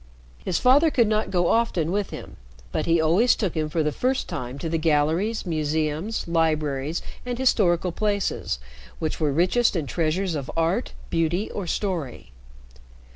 His father could not go often with him, but he always took him for the first time to the galleries, museums, libraries, and historical places which were richest in treasures of art, beauty, or story.